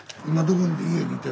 今どこに？